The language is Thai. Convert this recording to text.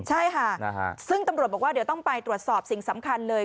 ใช่ค่ะซึ่งตำรวจบอกว่าเดี๋ยวต้องไปตรวจสอบสิ่งสำคัญเลย